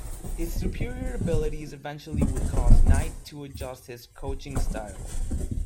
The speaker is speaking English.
His superior abilities eventually would cause Knight to adjust his coaching style.